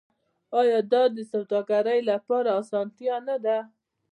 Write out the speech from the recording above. آیا دا د سوداګرۍ لپاره اسانتیا نه ده؟